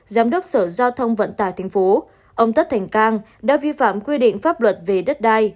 giám đốc sở giao thông vận tài thành phố ông tất thành cang đã vi phạm quy định pháp luật về đất đai